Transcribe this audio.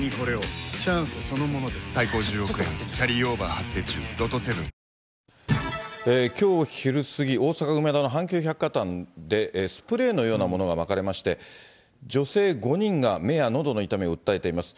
「ハミング」史上Ｎｏ．１抗菌きょう昼過ぎ、大阪・梅田の阪急百貨店でスプレーのようなものがまかれまして、女性５人が目やのどの痛みを訴えています。